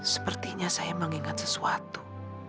sepertinya saya mengingat sesuatu